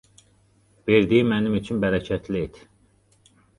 Verdiyini mənim üçün bərəkətli et.